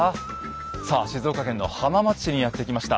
さあ静岡県の浜松市にやって来ました。